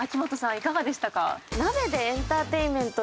いかがでしたか？